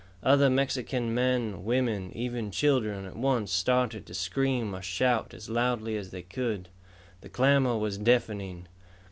Other Mexican men, women, even children at once started to scream or shout as loudly as they could. The clamor was deafening.